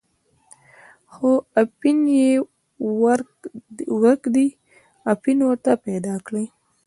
خو اپین یې ورک دی، اپین ورته پیدا کړئ.